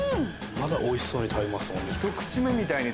まだおいしそうに食べますもんね。